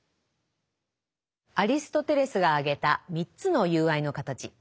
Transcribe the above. アリストテレスが挙げた３つの友愛の形。